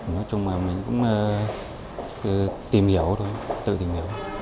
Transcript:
nói chung là mình cũng tìm hiểu thôi tự tìm hiểu